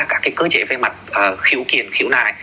các cái cơ chế về mặt khiếu kiền khiếu nại